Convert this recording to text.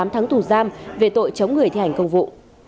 một mươi tám tháng tù giam về tội chống người thi hành công vụ